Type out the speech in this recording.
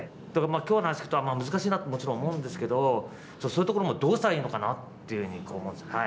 だけど今日の話聞くと難しいなってもちろん思うんですけどそういうところもどうしたらいいのかなっていうふうに思うんです。